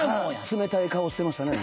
冷たい顔してましたね。